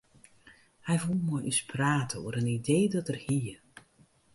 Hy woe mei ús prate oer in idee dat er hie.